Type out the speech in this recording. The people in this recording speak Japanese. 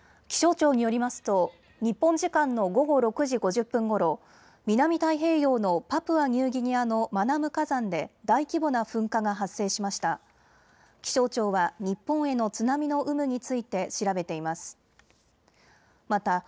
気象庁によりますと日本時間の午後６時５０分ごろ、南太平洋のパプアニューギニアのマナム火山で大規模な噴火が発生しました。